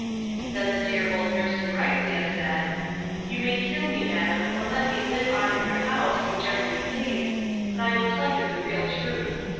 Then the dear old nurse Euryclea said, "You may kill me, Madam, or let me live on in your house, whichever you please, but I will tell you the real truth.